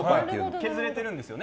削れてるんですよね